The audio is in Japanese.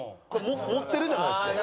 持ってるじゃないですか。